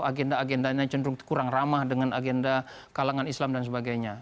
agenda agendanya cenderung kurang ramah dengan agenda kalangan islam dan sebagainya